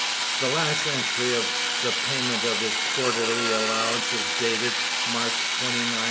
The last entry of the payment of his quarterly allowance is dated March 29, 1710.